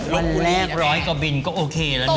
ลูกแรกร้อยกว่าบินก็โอเคแล้วนะ